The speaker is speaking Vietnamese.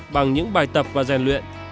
bằng những bài tập và rèn luyện